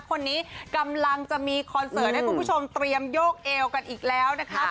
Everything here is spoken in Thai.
คนนี้กำลังจะมีคอนเสิร์ตให้คุณผู้ชมเตรียมโยกเอวกันอีกแล้วนะคะ